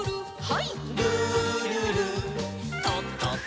はい。